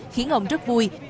khiến ông rất vui